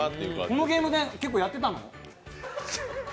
このゲーム、結構やってたの？